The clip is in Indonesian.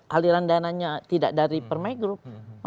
aliran dananya tidak dari permai group